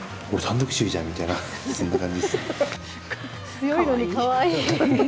強いのにかわいい。